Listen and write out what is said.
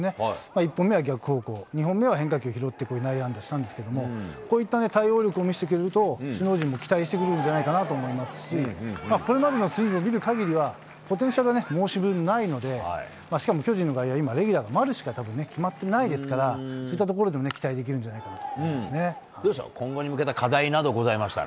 １本目は逆方向、２本目は変化球拾って内野安打したんですけど、こういった対応力を見せてくれると、首脳陣も期待してくるんじゃないかなと思われますし、これまでのスイングを見るかぎりは、ポテンシャルは申し分ないので、しかも巨人の外野、レギュラーが今、丸しか決まってないですから、そういったところで期待できるんどうですか、今後に向けた課題等ございましたら。